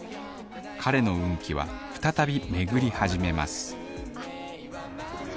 彼の運気は再び巡り始めます幸